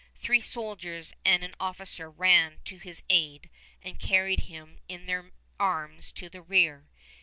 Three soldiers and an officer ran to his aid and carried him in their arms to the rear.